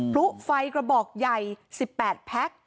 พลุไฟกระบอกใหญ่๑๘แพ็ค